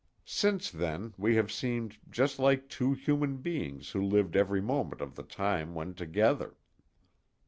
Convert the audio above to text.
Since then, we have seemed just like two human beings who lived every moment of the time when together.